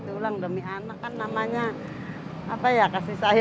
tulang demi anakkan namanya apa ya kasih sayang seorang ibu kan ini bantuin tulang ini kan namanya